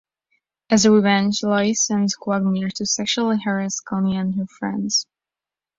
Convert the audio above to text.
As revenge, Lois sends Quagmire to sexually harass Connie and her friends.